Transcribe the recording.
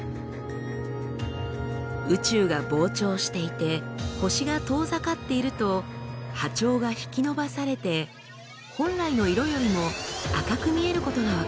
宇宙が膨張していて星が遠ざかっていると波長が引きのばされて本来の色よりも赤く見えることが分かっています。